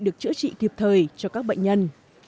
được chữa trị kịp thời cho các bệnh nhân